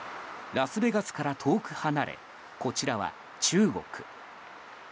ラスベガスから遠く離れこちらは中国。